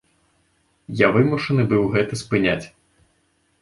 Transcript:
Я вымушаны быў гэта спыняць.